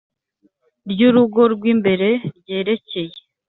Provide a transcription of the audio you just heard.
Ry urugo rw imbere ryerekeye